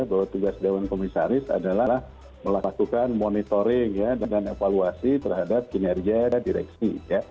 bahwa tugas dewan komisaris adalah melakukan monitoring dan evaluasi terhadap kinerja direksi